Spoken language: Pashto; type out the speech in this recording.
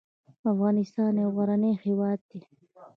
افغانستان یو غرنی هېواد دې .